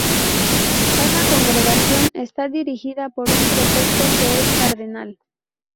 Cada congregación está dirigida por un prefecto, que es cardenal.